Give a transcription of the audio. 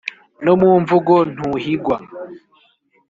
no mu mvugo ntuhigwa